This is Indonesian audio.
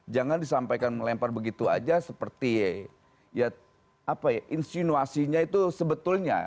jangan disampaikan melempar begitu aja seperti ya apa ya insinuasinya itu sebetulnya